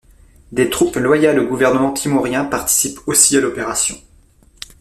Des troupes loyales au gouvernement timorien participent aussi à l'opération.